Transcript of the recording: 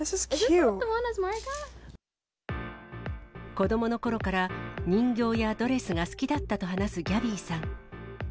子どものころから人形やドレスが好きだったと話すギャビーさん。